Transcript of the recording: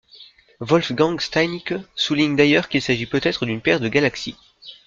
Wolfgang Steinicke souligne d'ailleurs qu'il s'agit peut-être d'une paire de galaxies.